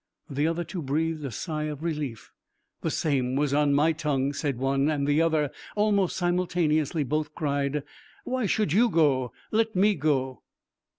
The other two breathed a sigh of relief. 'The same was on my tongue,' said one and the other, and almost simultaneously both cried, 'Why should you go? Let me go.'